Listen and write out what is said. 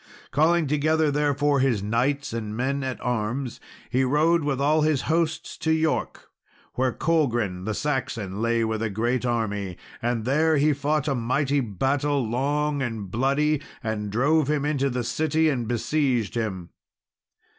Calling together, therefore, his knights and men at arms, he rode with all his hosts to York, where Colgrin, the Saxon, lay with a great army; and there he fought a mighty battle, long and bloody, and drove him into the city, and besieged him.